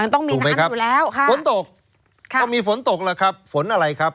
ต้องมีน้ำอยู่แล้ว